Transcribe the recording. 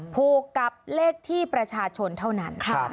ผูกกับเลขที่ประชาชนเท่านั้น